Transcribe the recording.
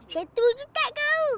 setuju teh kau